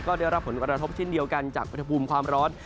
ก็ได้รับผลกระทบเช่นเดียวกันจากอุณหภูมิความร้อน